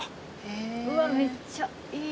うわめっちゃいい。